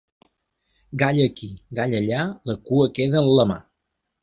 Gall aquí, gall allà, la cua queda en la mà.